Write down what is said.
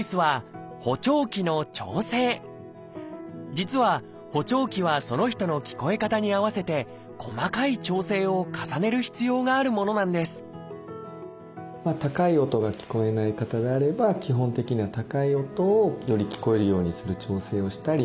実は補聴器はその人の聞こえ方に合わせて細かい調整を重ねる必要があるものなんです高い音が聞こえない方であれば基本的には高い音をより聞こえるようにする調整をしたり